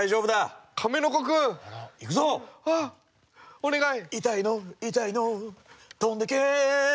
お願い！